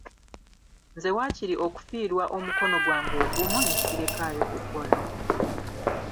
Nze waakiri okufiirwa omukono gwange ogumu, ne sirekaayo kukola.